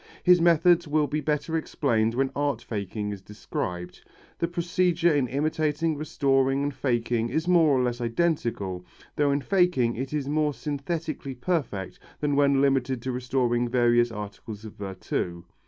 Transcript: His methods will be better explained when art faking is described. The procedure in imitating, restoring and faking is more or less identical, though in faking it is more synthetically perfect than when limited to restoring various articles of virtu.